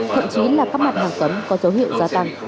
thậm chí là các mặt hàng cấm có dấu hiệu gia tăng